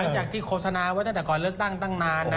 หลังจากที่โฆษณาว่าตั้งแต่ก่อนเลือกตั้งตั้งนานนะ